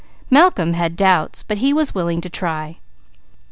Malcolm had doubts, but he was willing to try.